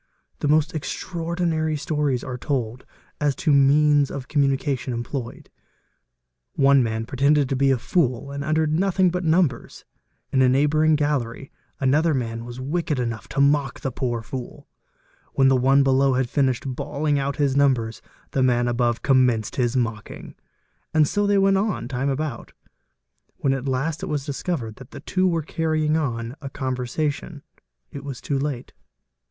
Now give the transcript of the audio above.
The most extraordinary stories are told as to means of communication employed. One man pretended to be a fool and uttered nothing but numbers; in the neigh bouring gallery another man was wicked enough to mock the poor fool; when the one below had finished bawling out his numbers, the ma n above commenced his mocking. And so they went on time abow When at last it was discovered that the two were carrying on a conver sation, it was too late.